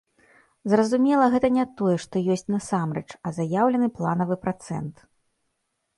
Зразумела, гэта не тое, што ёсць насамрэч, а заяўлены планавы працэнт.